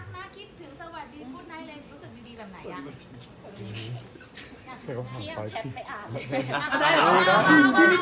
ไม่รู้ว่าเรียกเพราะอะไรแล้วเป็นความรู้สึกดีและกัน